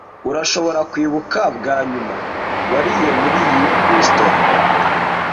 Urashobora kwibuka bwa nyuma wariye muri iyi resitora?